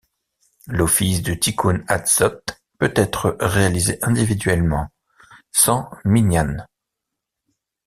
L'office du Tikkoun Hatzot peut être réalisé individuellement, sans minyan.